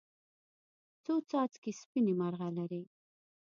څو څاڅکي سپینې، مرغلرې